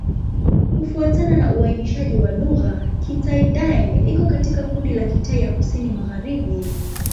Kufuatana na uainishaji wa lugha, Kitai-Daeng iko katika kundi la Kitai ya Kusini-Magharibi.